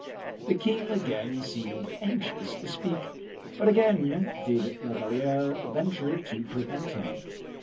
The king again seemed anxious to speak, but again did La Valliere venture to prevent him.